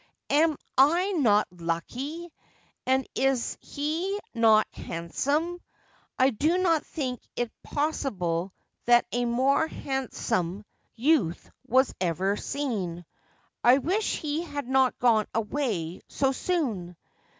Am I not lucky ? And is he not handsome ? I do not think it possible that a more hand some youth was ever seen. I wish he had not gone away so soon.'